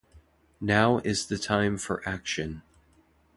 Now is the time for action.